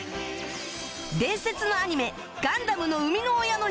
伝説のアニメ